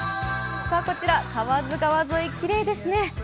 こちら、河津川沿い、きれいですね。